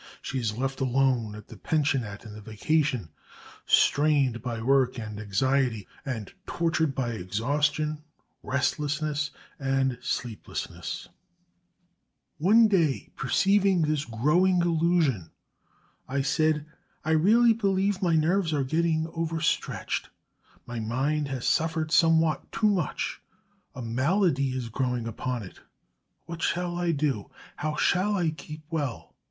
She is left alone at the pensionnat in the vacation, strained by work and anxiety, and tortured by exhaustion, restlessness, and sleeplessness: "One day, perceiving this growing illusion, I said, 'I really believe my nerves are getting overstretched: my mind has suffered somewhat too much; a malady is growing upon it what shall I do? How shall I keep well?'